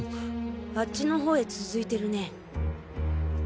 あっちのほうへ続いてるね。